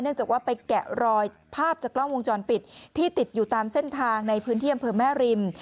จากว่าไปแกะรอยภาพจากกล้องวงจรปิดที่ติดอยู่ตามเส้นทางในพื้นที่อำเภอแม่ริม